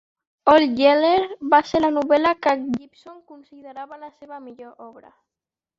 "Old Yeller" va ser la novel·la que Gipson considerava la seva millor obra.